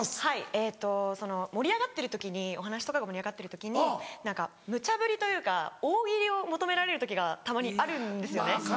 はい盛り上がってる時にお話とかが盛り上がってる時に何かむちゃぶりというか大喜利を求められる時がたまにあるんですよね。